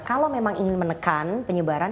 kalau memang ingin menekan penyebaran